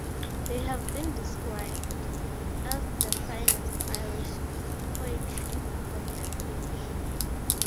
They have been described as the finest Irish poetry of their age.